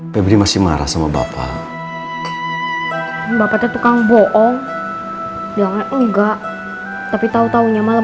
pebri masih marah sama bapaknya tukang bohong jangan enggak tapi tahu tahunya malah